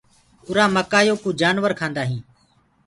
اور مڪآئي يو ڪوُ جآنور کآندآ هينٚ۔